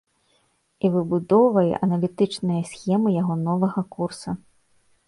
І выбудоўвае аналітычныя схемы яго новага курса.